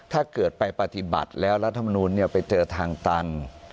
ถ้าเกิดไปปฏิบัติแล้วรัฐมนูลไปเจอทางตัน